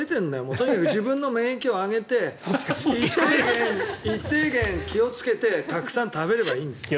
とにかく自分の免疫を上げて一定元気をつけてたくさん食べればいいんです。